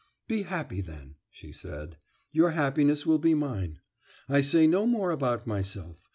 "Be happy then," she said. "Your happiness will be mine. I say no more about myself.